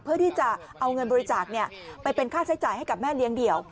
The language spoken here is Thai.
เพื่อที่จะเอาเงินบริจาคไปเป็นค่าใช้จ่ายให้กับแม่เลี้ยงเดี่ยว